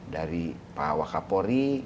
dari pak wakapori